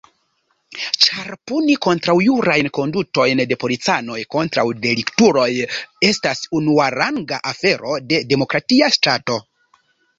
Ĉar puni kontraŭjurajn kondutojn de policanoj kontraŭ deliktuloj estas unuaranga afero de demokratia ŝtato.